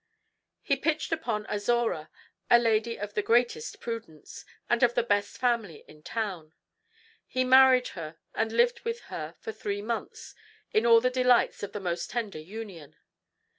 He pitched upon Azora, a lady of the greatest prudence, and of the best family in town. He married her and lived with her for three months in all the delights of the most tender union.